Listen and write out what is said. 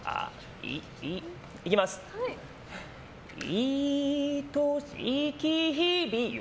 いとしき日々よ。